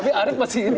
tapi arief masih ini